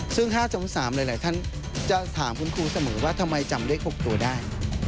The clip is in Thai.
ซึ่ง๕๒๓หลายท่านจะถามคุณครูเสมอว่าทำไมจำเลข๖ตัวได้